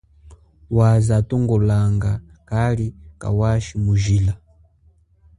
Waze atongolanga kali kawashi mujila.